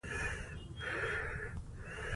چي د الکترون شتون ډېر زيات وي.